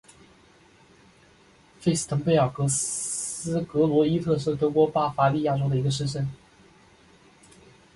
费斯滕贝尔格斯格罗伊特是德国巴伐利亚州的一个市镇。